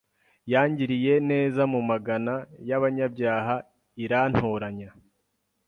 yangiriye neza mu Magana y’abanyabyaha irantoranya